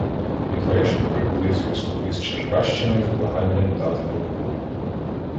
Під вечір прибули зв'язкові з Черкащини з благанням дати допомогу.